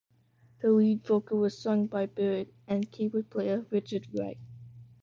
The lead vocal was sung by Barrett and keyboard player Richard Wright.